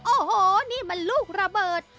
โอ้โหนี่มันลูกระเบิด